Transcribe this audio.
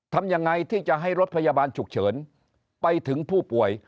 ทำยังไงที่จะให้รถพยาบาลฉุกเฉินไปถึงผู้ป่วย